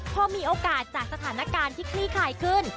พอมีโอกาสจากสถานการณ์ที่คลี่คลายขึ้น